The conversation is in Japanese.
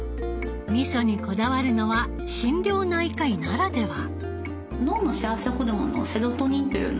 みそにこだわるのは心療内科医ならでは。